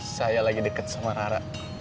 saya lagi dekat sama rara